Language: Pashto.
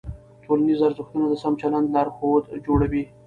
ټولنیز ارزښتونه د سم چلند لارښود جوړوي.